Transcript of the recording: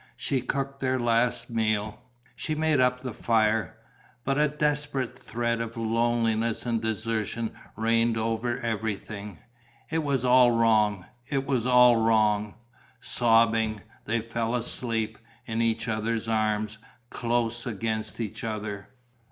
She cooked their last meal; she made up the fire. But a desperate threat of loneliness and desertion reigned over everything. It was all wrong, it was all wrong.... Sobbing, they fell asleep, in each other's arms, close against each other.